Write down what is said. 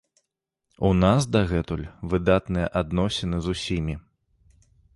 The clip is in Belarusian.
У нас дагэтуль выдатныя адносіны з усімі.